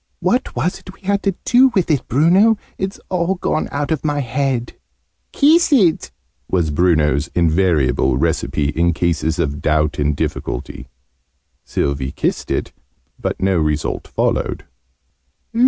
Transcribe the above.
"What was it we had to do with it, Bruno? It's all gone out of my head!" "Kiss it!" was Bruno's invariable recipe in cases of doubt and difficulty. Sylvie kissed it, but no result followed.